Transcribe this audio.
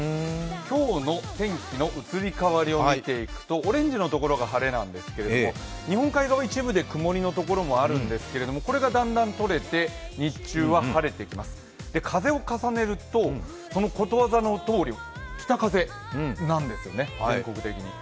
今日の天気の移り変わりを見ていくとオレンジのところが晴れなんですが日本海側、一部で曇りのところもあるんですが、これがだんだん取れて、日中は晴れてきます風を重ねると、このことわざのとおり北風なんですよね、全国的に。